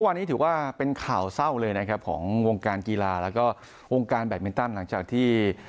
วันนี้ถือว่าเป็นข่าวเศร้าเลยนะครับของวงการกีฬาแล้วก็วงการแบตมินตันหลังจากที่